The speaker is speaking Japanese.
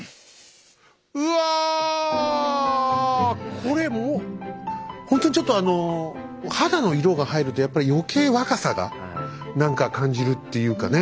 これもうほんとにちょっとあの肌の色が入るとやっぱりよけい若さが何か感じるっていうかね